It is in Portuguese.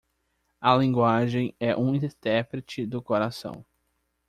A linguagem é um intérprete do coração.